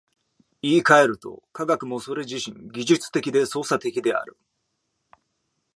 言い換えると、科学もそれ自身技術的で操作的である。